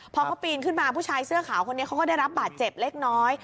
พอเขาปีนขึ้นมาผู้ชายเสื้อขาวคนนี้เขาก็ได้รับบาดเจ็บเล็กน้อย